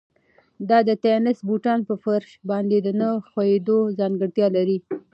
دا د تېنس بوټان په فرش باندې د نه ښویېدو ځانګړتیا لري.